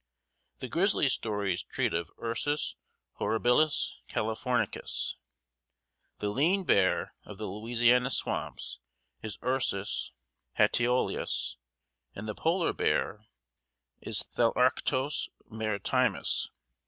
The grizzly stories treat of Ursus horribilis californicus. The lean bear of the Louisiana swamps is Ursus luteolus, and the Polar Bear is Thalarctos maritimus.